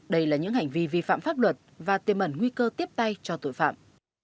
đây là những hành vi vi phạm pháp luật và tiềm ẩn nguy cơ tiếp tay cho tội phạm